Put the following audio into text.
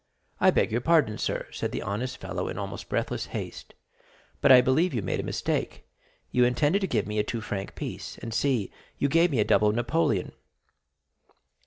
"I beg your pardon, sir," said the honest fellow, in almost breathless haste, "but I believe you made a mistake; you intended to give me a two franc piece, and see, you gave me a double Napoleon."